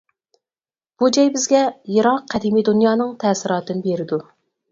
بۇ جاي بىزگە يىراق قەدىمى دۇنيانىڭ تەسىراتىنى بېرىدۇ.